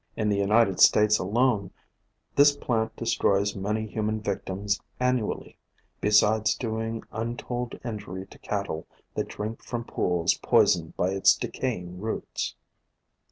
In the United States alone this plant destroys many human victims annually, besides doing untold injury to cattle that drink from pools poisoned by its de caying roots.